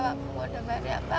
saya mau dengar apa